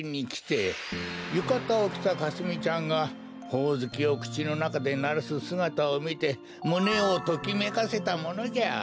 ゆかたをきたかすみちゃんがほおずきをくちのなかでならすすがたをみてむねをときめかせたものじゃ。